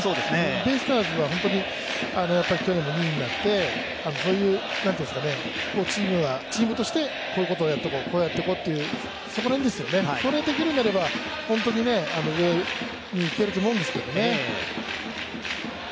ベイスターズは本当に去年の２位になってそういうチームとしてこういうことをやっていこうというそこら辺ですよね、それができるようになれば、本当に上に行けると思うんですけどね。